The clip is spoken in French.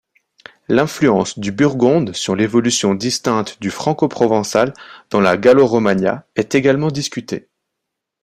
L'influence du burgonde sur l'évolution distincte du francoprovençal dans la Gallo-Romania est également discutée.